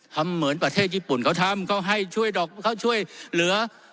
ทำเหมือนประเทศญี่ปุ่นเขาทำเขาช่วยเหลือ